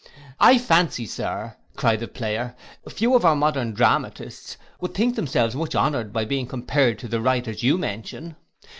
—'I fancy, Sir,' cried the player, 'few of our modern dramatists would think themselves much honoured by being compared to the writers you mention.